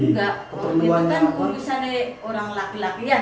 itu kan urusan orang laki laki ya